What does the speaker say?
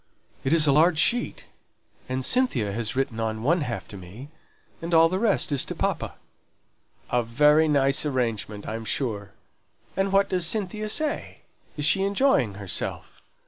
"It is a large sheet, and Cynthia has written on one half to me, and all the rest is to papa." "A very nice arrangement, I'm sure. And what does Cynthia say? Is she enjoying herself?"